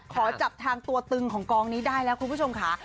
ขอจับทางตัวตึงของกองนี้ได้แล้วคุณผู้ชมค่ะ